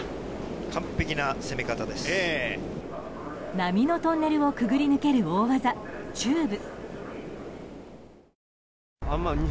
並みのトンネルを潜り抜ける大技チューブ。